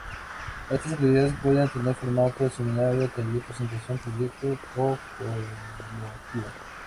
Estas actividades pueden tener formato de seminario, taller, presentación, proyección o coloquio.